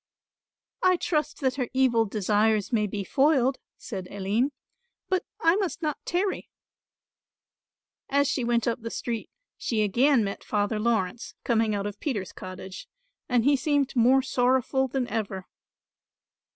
"I trust that her evil desires may be foiled," said Aline, "but I must not tarry." As she went up the street she again met Father Laurence coming out of Peter's cottage and he seemed more sorrowful than ever.